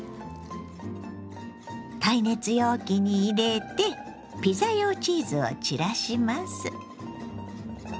耐熱容器に入れてピザ用チーズを散らします。